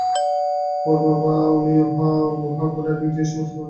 ওর বাবা, উনি গুহা ডাইভিং জিনিসটা বুঝতে পারতেন না।